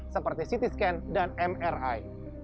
seperti ct scan dan mri